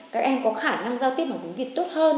các em có khả năng giao tiếp bằng tiếng việt tốt hơn